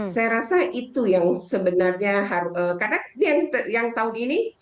saya rasa itu yang sebenarnya karena yang tahun ini